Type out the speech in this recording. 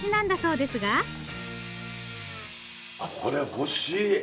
これ欲しい。